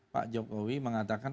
pak jokowi mengatakan